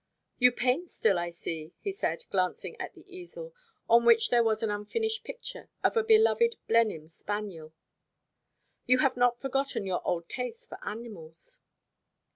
"You paint still, I see," he said, glancing at the easel, on which there was an unfinished picture of a beloved Blenheim spaniel; "you have not forgotten your old taste for animals."